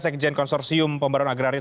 sekjen konsorsium pembaruan agraria